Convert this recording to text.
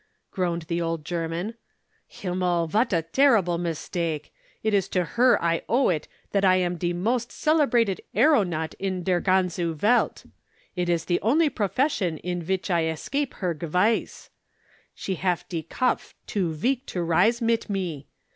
groaned the old German. "Himmel, vat a terrible mistake! It is to her I owe it that I am de most celebrated aeronaut in der ganzeu welt. It is the only profession in wich I escape her gewiss. She haf de kopf too veak to rise mit me.